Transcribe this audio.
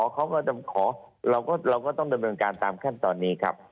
เขาก็จะขอเราก็ต้องดำเนินการตามขั้นตอนนี้ครับ